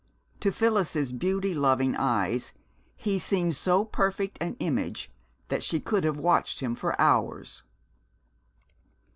To Phyllis's beauty loving eyes he seemed so perfect an image that she could have watched him for hours.